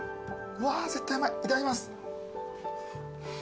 うわ絶対うまいいただきます。